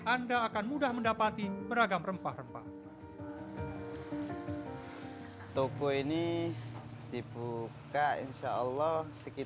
anda akan mudah mendapati beragam rempah rempah ini